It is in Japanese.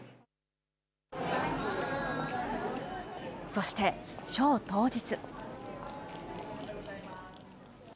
そして、ショー当日。